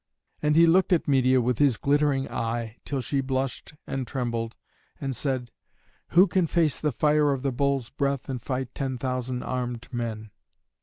And he looked at Medeia with his glittering eye, till she blushed and trembled and said, "Who can face the fire of the bulls' breath and fight ten thousand armed men?"